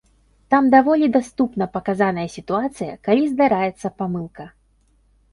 Там даволі даступна паказаная сітуацыя, калі здараецца памылка.